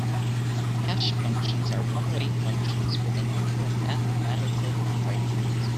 Hash functions are one-way functions with a number of mathematical requirements.